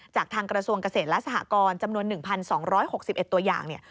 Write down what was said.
ทางกระทรวงเกษตรและสหกรจำนวน๑๒๖๑ตัวอย่างเนี่ย